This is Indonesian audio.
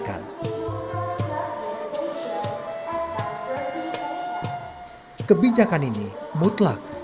kebijakan ini mutlak